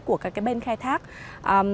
của các nhà hàng